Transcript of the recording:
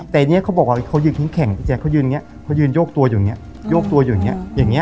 แต่เนี้ยเขาบอกว่าเขายืนแขนแจ๊กเขายืนอย่างเงี้ยเขายืนโยกตัวอยู่อย่างเงี้ยโยกตัวอยู่อย่างเงี้ยอย่างเงี้ย